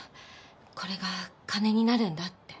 これが金になるんだって。